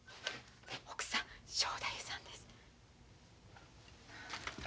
奥さん正太夫さんです。